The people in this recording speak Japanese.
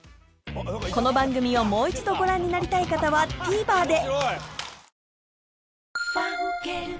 この番組をもう一度ご覧になりたい方はＴＶｅｒで女性）